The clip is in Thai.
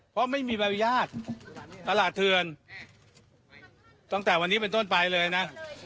เพราะไม่มีใบอนุญาตตลาดเถือนตั้งแต่วันนี้เป็นต้นไปเลยนะ